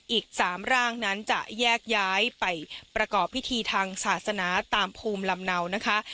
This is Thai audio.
อีก๓ร่างนั้นจะแยกย้ายไปประกอบพิธีทางศาสนาตามภูมิลำเนานะคะ